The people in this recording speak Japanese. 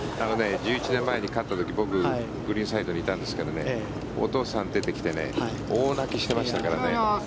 １１年前に勝った時僕、グリーンサイドにいたんですがお父さん出てきて大泣きしていましたからね。